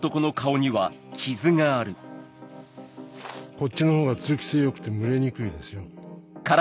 こっちのほうが通気性良くて蒸れにくいですよ。